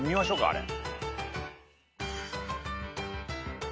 あれ。